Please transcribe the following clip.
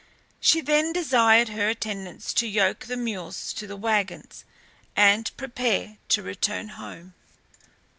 She then desired her attendants to yoke the mules to the wagons and prepare to return home.